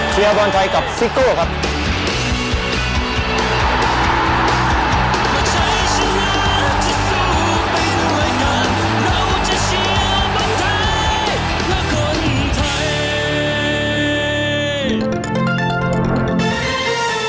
เชียวบอลไทยกับซิโก้ครับ